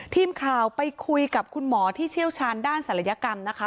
ทีมข่าวไปคุยกับคุณหมอที่เชี่ยวชาญด้านศัลยกรรมนะคะ